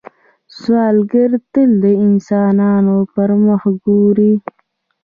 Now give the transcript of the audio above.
سوالګر تل د انسانانو پر مخ ګوري